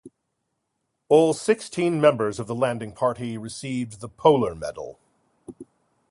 All sixteen members of the landing party received the Polar Medal.